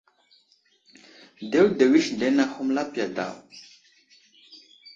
Dewdew isindene ahum lapiya daw.